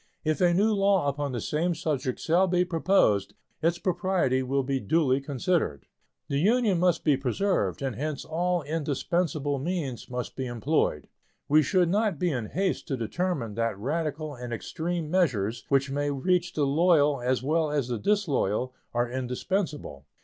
If a new law upon the same subject shall be proposed, its propriety will be duly considered. The Union must be preserved, and hence all indispensable means must be employed. We should not be in haste to determine that radical and extreme measures, which may reach the loyal as well as the disloyal, are indispensable.